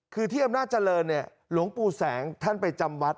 คือที่อำนาจเจริญเนี่ยหลวงปู่แสงท่านไปจำวัด